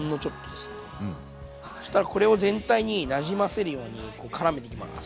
そしたらこれを全体になじませるようにこうからめていきます。